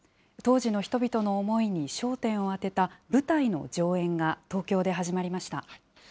当時の人々の思いに焦点を当てた舞台の上演が東京で始まりました。